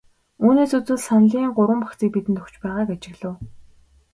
Үүнээс үзвэл саналын гурван багцыг бидэнд өгч байгааг ажиглав.